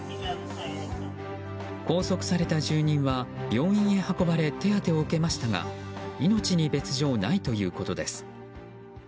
拘束された住人は病院へ運ばれ手当てを受けましたが命に別条ないということです。